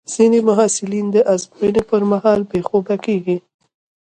ځینې محصلین د ازموینو پر مهال بې خوبه کېږي.